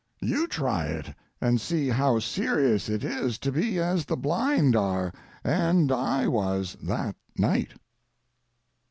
You try it and see how serious it is to be as the blind are and I was that night.